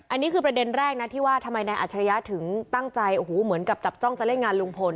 อันนี้คือประเด็นแรกนะที่ว่าทำไมนายอัจฉริยะถึงตั้งใจโอ้โหเหมือนกับจับจ้องจะเล่นงานลุงพล